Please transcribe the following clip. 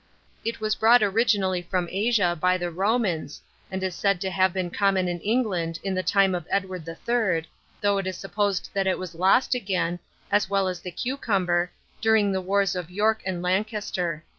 It was brought originally from Asia by the Romans, and is said to have been common in England in the time of Edward III., though it is supposed that it was lost again, as well as the cucumber, during the wars of York and Lancaster.